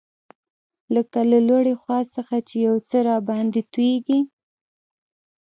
لکه له لوړې خوا څخه چي یو څه راباندي تویېږي.